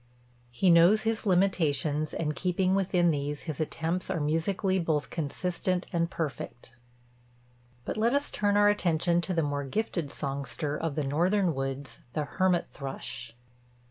He knows his limitations, and keeping within these, his attempts are musically both consistent and perfect. But let us turn our attention to the more gifted songster of the northern woods, the hermit thrush.